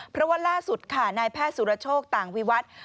เพราะว่าล่าสุดค่ะนายแพทย์สุรโชคต่างวิวัตร